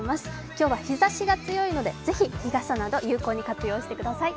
今日は日ざしが強いので、ぜひ日傘など有効に活用してください。